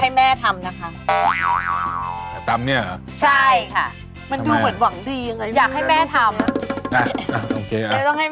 ตำเนี่ยเหรอใช่ค่ะทำไมอยากให้แม่ทำมันดูเหมือนหวังดีอย่างนั้น